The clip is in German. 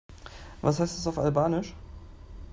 Was heißt das auf Albanisch?